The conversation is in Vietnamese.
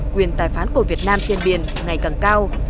quyền tài phán của việt nam trên biển ngày càng cao